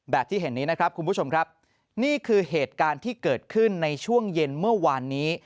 ที่เห็นนี้นะครับคุณผู้ชมครับนี่คือเหตุการณ์ที่เกิดขึ้นในช่วงเย็นเมื่อวานนี้